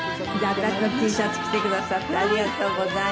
私のＴシャツ着てくださってありがとうございます。